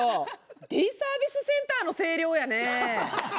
デイサービスセンターの声量やね。